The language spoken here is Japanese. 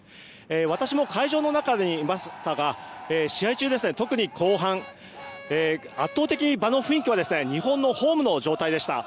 私も会場の中にいましたが試合中、特に後半圧倒的に場の雰囲気は日本のホームの状態でした。